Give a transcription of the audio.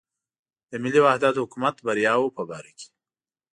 د ملي وحدت حکومت بریاوو په باره کې.